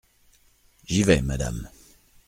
J’y vais, madame.